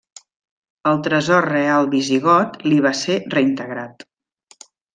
El tresor real visigot li va ser reintegrat.